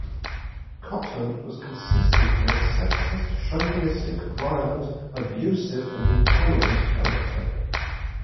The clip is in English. Cotton was consistently a sexist, chauvinistic, violent, abusive and intolerant character.